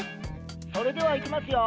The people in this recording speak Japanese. それではいきますよ。